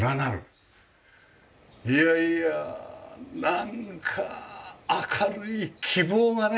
いやいやなんか明るい希望がね